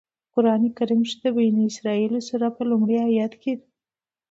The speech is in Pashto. په قرآن کریم کې د بنی اسرائیل سورت په لومړي آيت کې.